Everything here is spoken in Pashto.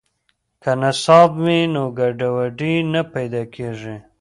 که نصاب وي نو ګډوډي نه پیدا کیږي.